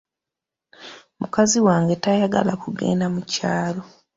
Mukazi wange tayagala kugenda mu kyalo.